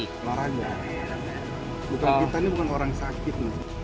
kita bukan orang sakit